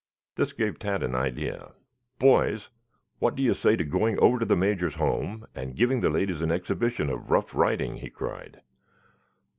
This gave Tad an idea. "Boys, what do you say to going over to the Major's home and giving the ladies an exhibition of rough riding?" he cried.